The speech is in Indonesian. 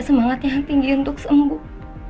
semangat yang tinggi untuk sembuh